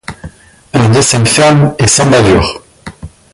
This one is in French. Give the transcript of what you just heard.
Un dessin ferme et sans bavures.